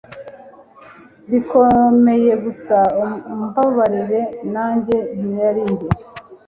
bikomeye gusa umbabarire nanjye ntiyari njye